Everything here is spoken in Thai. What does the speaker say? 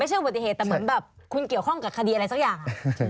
หรือคุณเกี่ยวข้องกับคดีอะไรสักอย่าง